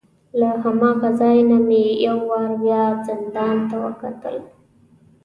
له هماغه ځای نه مې یو وار بیا زندان ته وکتل.